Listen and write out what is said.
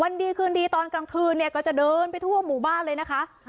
ดีคืนดีตอนกลางคืนเนี่ยก็จะเดินไปทั่วหมู่บ้านเลยนะคะ